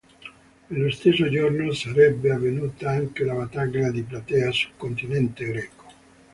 Nello stesso giorno sarebbe avvenuta anche la battaglia di Platea sul continente greco.